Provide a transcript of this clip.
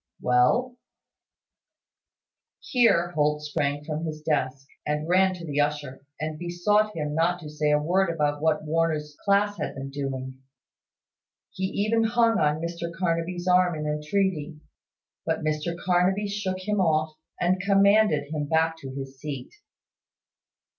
"Well." Here Holt sprang from his desk, and ran to the usher, and besought him not to say a word about what Warner's class had been doing. He even hung on Mr Carnaby's arm in entreaty; but Mr Carnaby shook him off, and commanded him back to his seat.